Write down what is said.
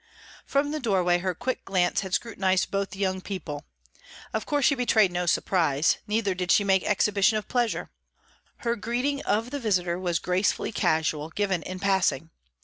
From the doorway her quick glance had scrutinized both the young people. Of course she betrayed no surprise; neither did she make exhibition of pleasure. Her greeting of the visitor was gracefully casual, given in passing.